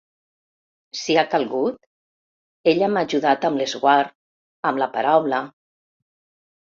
Si ha calgut, ella m’ha ajudat amb l’esguard, amb la paraula.